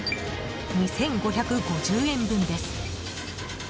２５５０円分です。